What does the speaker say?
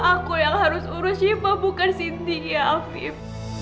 aku yang harus urus shiva bukan cynthia afif